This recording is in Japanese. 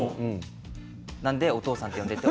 なのでお父さんと呼んでいて。